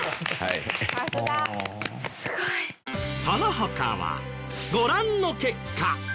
その他はご覧の結果。